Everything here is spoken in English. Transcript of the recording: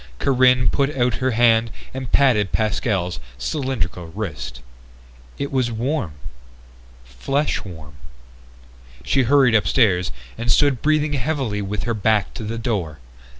Corinne put out her hand and patted Pascal's cylindrical wrist. It was warm flesh warm. She hurried upstairs and stood breathing heavily with her back to the door.